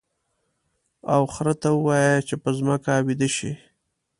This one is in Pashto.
او خر ته ووایه چې په ځمکه ویده شي.